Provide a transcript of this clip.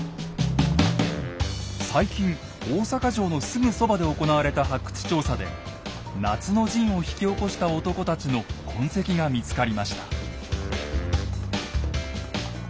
最近大阪城のすぐそばで行われた発掘調査で夏の陣を引き起こした男たちの痕跡が見つかりました。